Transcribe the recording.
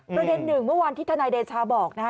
หนึ่งเมื่อวานที่ทนายเดชาบอกนะฮะ